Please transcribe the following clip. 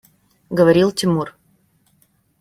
Говорил Тимур.